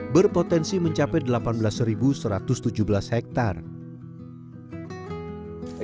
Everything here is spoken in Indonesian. berpotensi mencapai delapan belas satu ratus tujuh belas hektare